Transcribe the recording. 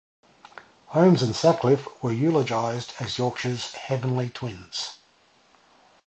Holmes and Sutcliffe were eulogised as Yorkshire's "heavenly twins".